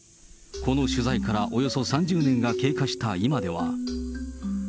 この取材からおよそ３０年が経過した今では。